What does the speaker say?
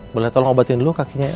boleh tolong obatin dulu kakinya